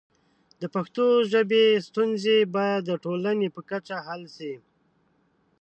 د پښتو ژبې ستونزې باید د ټولنې په کچه حل شي.